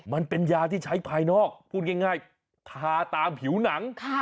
มันเป็นยาที่ใช้ภายนอกพูดง่ายทาตามผิวหนัง